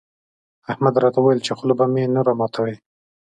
احمد راته وويل چې خوله به مې نه راماتوې.